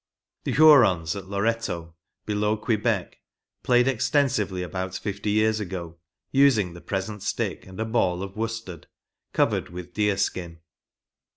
The Ilurons at Loretto, below Quebec, played extensively about fifty years ago, using the present stick and a ball of worsted, covered with deer skin.